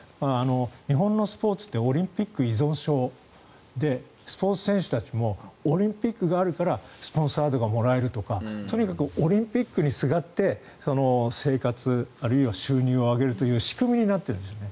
日本のスポーツってオリンピック依存症でスポーツ選手たちもオリンピックがあるからスポンサードがもらえるとかとにかくオリンピックにすがって生活あるいは収入を上げるという仕組みになっているんです。